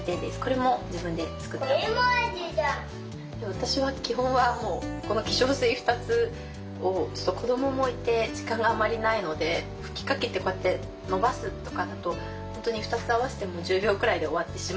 私は基本はこの化粧水２つを子どももいて時間があまりないので吹きかけてこうやって伸ばすとほんとに２つ合わせて１０秒くらいで終わってしまうんですけど